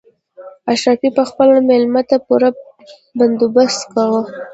اشرافي به خپل مېلمه ته پوره بندوبست کاوه.